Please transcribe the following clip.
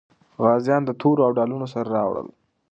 غازیان د تورو او ډالونو سره راوړل.